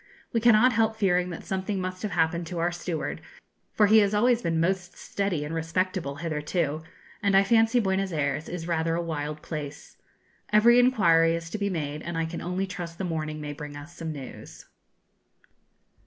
We cannot help fearing that something must have happened to our steward, for he has always been most steady and respectable hitherto, and I fancy Buenos Ayres is rather a wild place. Every inquiry is to be made, and I can only trust the morning may bring us some news.